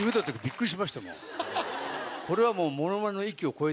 これはもう。